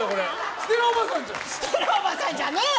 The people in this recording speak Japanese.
ステラおばさんじゃねーよ！